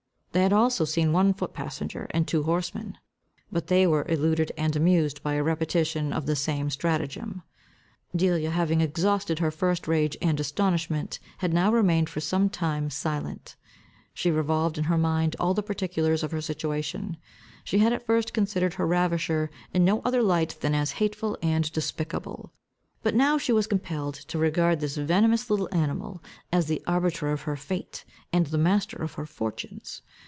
They had also seen one foot passenger, and two horsemen. But they were eluded and amused by a repetition of the same stratagem. Delia, having exhausted her first rage and astonishment, had now remained for some time silent. She revolved in her mind all the particulars of her situation. She had at first considered her ravisher in no other light than as hateful and despicable, but she was now compelled to regard this venomous little animal, as the arbiter of her fate, and the master of her fortunes.